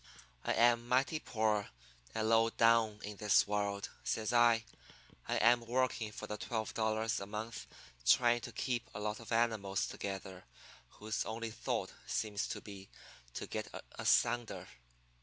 "'I am mighty poor and low down in the world,' says I. 'I am working for twelve dollars a month trying to keep a lot of animals together whose only thought seems to be to get asunder.